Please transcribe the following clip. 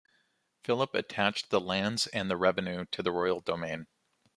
Philip attached the lands and their revenues to the royal domain.